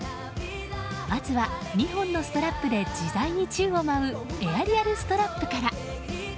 まずは２本のストラップで自在に宙を舞うエアリアル・ストラップから。